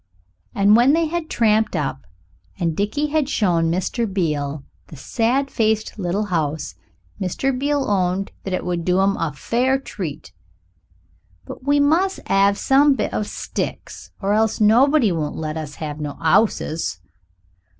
And when they had tramped up and Dickie had shown Mr. Beale the sad faced little house, Mr. Beale owned that it would do 'em a fair treat. "But we must 'ave some bits of sticks or else nobody won't let us have no 'ouses."